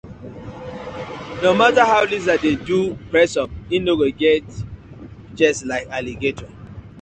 No matter how lizard dey do press up e no go get chest like alligator: